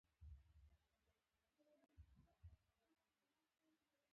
د طبیعت غږونه سوله راولي.